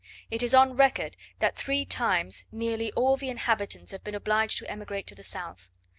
It is on record that three times nearly all the inhabitants have been obliged to emigrate to the south.